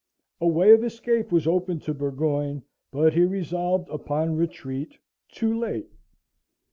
A way of escape was opened to Burgoyne, but he resolved upon retreat too late.